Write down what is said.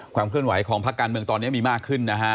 ความเคลื่อนไหวของพักการเมืองตอนนี้มีมากขึ้นนะฮะ